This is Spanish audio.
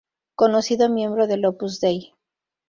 Conocido miembro del Opus Dei.